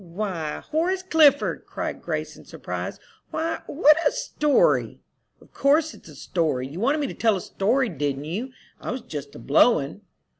"Why, Horace Clifford!" cried Grace, in surprise; "why, what a story!" "Of course it's a story. You wanted me to tell a story, didn't you? I was just a blowin'."